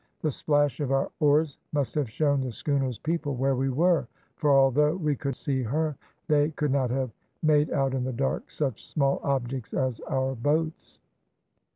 The splash of our oars must have shown the schooner's people where we were, for, although we could see her, they could not have made out in the dark such small objects as our boats.